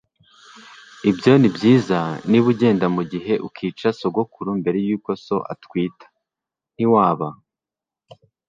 Ibyo nibyiza niba ugenda mugihe ukica sogokuru mbere yuko so atwita, ntiwaba?